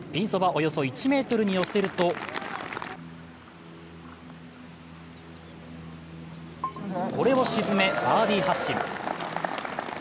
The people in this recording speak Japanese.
およそ１ｍに寄せるとこれを沈め、バーディー発進。